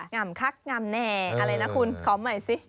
่ำคักง่ำแน่อะไรนะคุณขอใหม่สิ